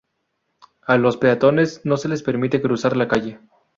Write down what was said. A los peatones no se les permite cruzar la calle.